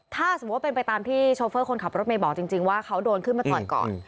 ถ้าสมมุติว่าเป็นไปตามที่โชเฟอร์คนขับรถเมย์บอกจริงว่าเขาโดนขึ้นมาต่อยก่อน